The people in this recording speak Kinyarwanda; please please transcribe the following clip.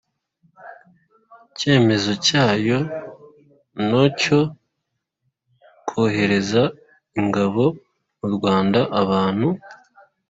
Kemezo cyayo no cyo kohereza ingabo mu rwanda abantu